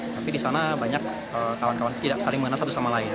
tapi disana banyak kawan kawan tidak saling mengenal satu sama lain